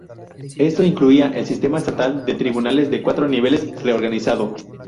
Esto incluía el sistema estatal de tribunales de cuatro niveles reorganizado.